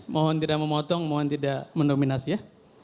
mohon tidak memotong mohon tidak mendominasi ya